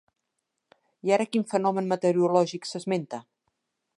I ara quin fenomen meteorològic s'esmenta?